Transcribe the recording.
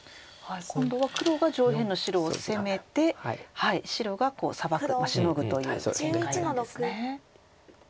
今度は黒が上辺の白を攻めて白がサバくシノぐという展開なんですね。